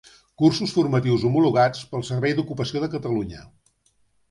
Cursos formatius homologats pel Servei d'Ocupació de Catalunya.